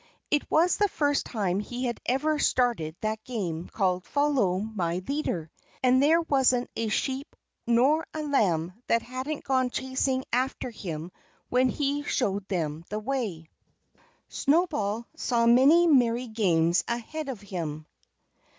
It was the first time he had ever started that game called Follow My Leader. And there wasn't a sheep nor a lamb that hadn't gone chasing after him when he showed them the way. Snowball saw many merry games ahead of him.